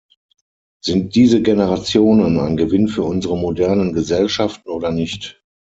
Sind diese Generationen ein Gewinn für unsere modernen Gesellschaften oder nicht?